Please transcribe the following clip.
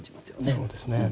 そうですね。